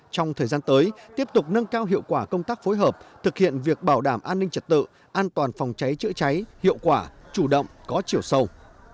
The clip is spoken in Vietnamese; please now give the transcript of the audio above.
trong thời gian tới tiếp tục nâng cao hiệu quả công tác phối hợp thực hiện việc bảo đảm an ninh trật tự an toàn phòng cháy chữa cháy hiệu quả chủ động có chiều sâu